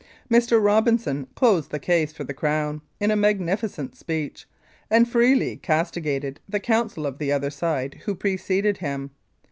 Mr. Robinson closed the case for the Crown in a magnificent speech, and freely castigated the counsel of the other side who preceded him.